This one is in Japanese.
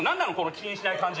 気にしない感じ。